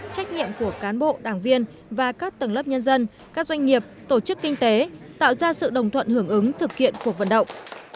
trách nhiệm của cán bộ đảng viên và các tầng lớp nhân dân các doanh nghiệp tổ chức kinh tế tạo ra sự đồng thuận hưởng ứng thực hiện cuộc vận động